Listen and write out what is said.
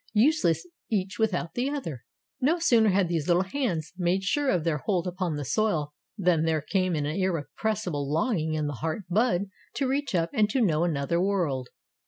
"Useless each without the other." No sooner had these little hands made sure of their hold upon the soil than there came an irrepressible longing in the heart bud to reach up and to know another world.